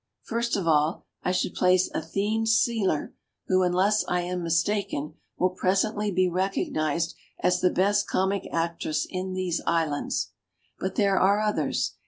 First of all, I should place Athene Sey 68 THE BOOKMAN ler, who, unless I am mistaken, will presently be recognized as the best comic actress in these islands. But there are others.